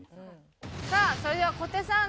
さあそれでは小手さん